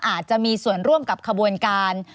อาจจะมีส่วนร่วมกับขบวนการ